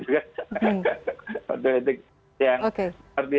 kode etik yang seperti